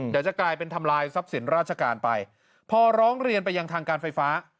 เดี๋ยวจะกลายเป็นทำลายทรัพย์สินราชการไปพอร้องเรียนไปยังทางการไฟฟ้า